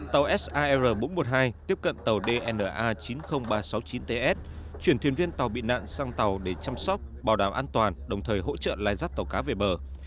tàu sar bốn trăm một mươi hai tiếp cận tàu dna chín mươi nghìn ba trăm sáu mươi chín ts chuyển thuyền viên tàu bị nạn sang tàu để chăm sóc bảo đảm an toàn đồng thời hỗ trợ lai rắt tàu cá về bờ